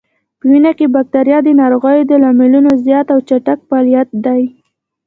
په وینه کې بکتریا د ناروغیو د لاملونو زیات او چټک فعالیت دی.